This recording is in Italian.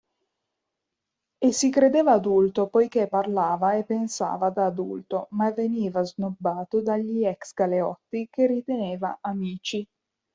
E si credeva adulto poiché parlava e pensava da adulto ma veniva snobbato dagli ex-galeotti che riteneva amici.